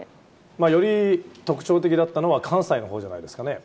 より特徴的だったのは、関西のほうじゃないですかね。